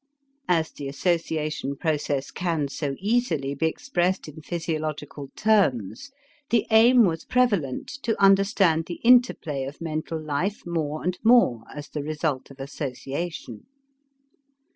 As the association process can so easily be expressed in physiological terms, the aim was prevalent to understand the interplay of mental life more and more as the result of association.